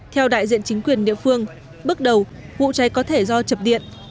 theo đại diện chính quyền địa phương bước đầu vụ cháy có thể do chập điện